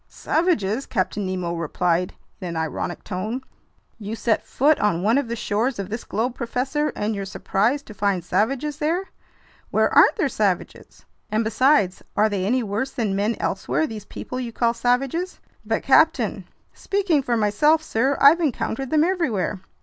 "Savages!" Captain Nemo replied in an ironic tone. "You set foot on one of the shores of this globe, professor, and you're surprised to find savages there? Where aren't there savages? And besides, are they any worse than men elsewhere, these people you call savages?" "But captain—" "Speaking for myself, sir, I've encountered them everywhere."